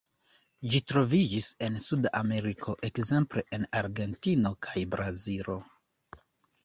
Ĝi troviĝis en Suda Ameriko, ekzemple en Argentino kaj Brazilo.